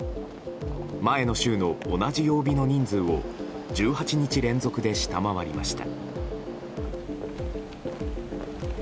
前の週の同じ曜日の人数を１８日連続で下回りました。